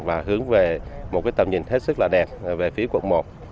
và hướng về một tầm nhìn hết sức là đẹp về phía quận một